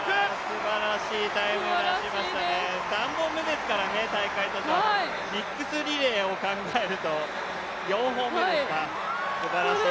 すばらしいタイムを出しましたね、３本目ですからね、ミックスリレーを考えると４本目ですか、すばらしいですね。